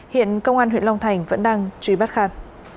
hiện công an huyện long thành vẫn đang truy bắt khan